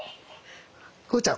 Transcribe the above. くうちゃん。